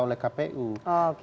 yang sebenarnya harus ditata oleh kpu